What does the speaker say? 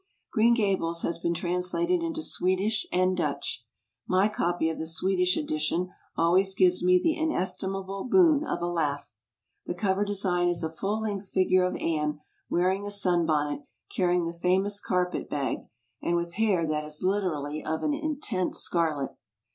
Green Gables has been translated into Swedish and Dutch. My copy of the Swedish edition always gives me the inestimable boon of a laugh. The cover design is a full length figure of Anne, wearing a sunbonnet, carrying the famous carpet bag, and with hair that is literally of an in tense scarlet!